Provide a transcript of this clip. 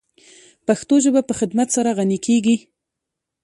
پښتو ژبه په خدمت سره غَنِی کیږی.